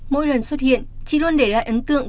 mỗi lần xuất hiện chị luôn để lại ấn tượng